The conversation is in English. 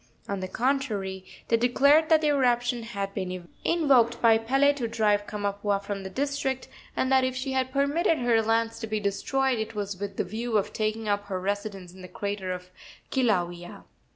On the contrary, they declared that the eruption had been invoked by Pele to drive Kamapuaa from the district, and that if she had permitted her lands to be destroyed it was with the view of taking up her residence in the crater of Kilauea.